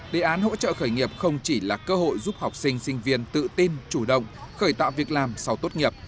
đề án hỗ trợ khởi nghiệp không chỉ là cơ hội giúp học sinh sinh viên tự tin chủ động khởi tạo việc làm sau tốt nghiệp